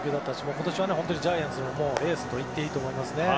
今年はジャイアンツのエースといっていいと思いますね。